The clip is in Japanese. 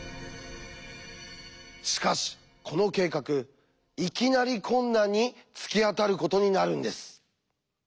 しかしこの計画いきなり困難に突き当たることになるんです。